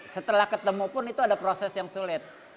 setelah ketemu pun itu ada proses yang sulit